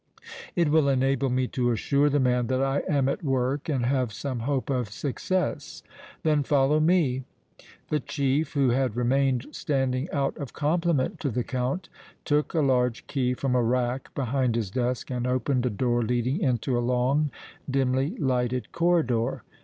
"It will enable me to assure the man that I am at work and have some hope of success." "Then follow me." The chief, who had remained standing out of compliment to the Count, took a large key from a rack behind his desk and opened a door leading into a long, dimly lighted corridor.